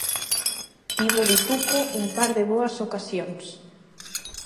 Tivo Vituco un par de boas ocasións.